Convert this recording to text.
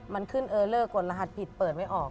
มันขึ้นเออเลอร์กดรหัสผิดเปิดไม่ออก